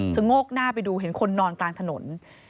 โงกหน้าไปดูเห็นคนนอนกลางถนน